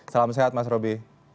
salam sehat mas robby